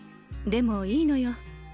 でもいいのよ。